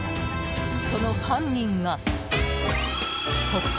その犯人が国際